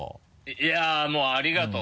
いやもうありがとう。